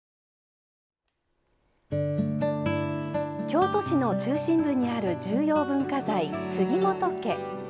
京都市の中心部にある重要文化財・杉本家。